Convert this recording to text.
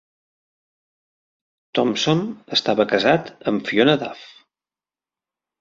Thompson estava casat amb Fiona Duff.